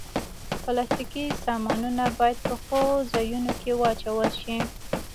پلاستيکي سامانونه باید په ښو ځایونو کې واچول شي.